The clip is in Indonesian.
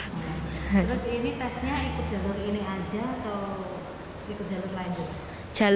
terus ini tesnya ikut jalur ini aja atau ikut jalur lanjut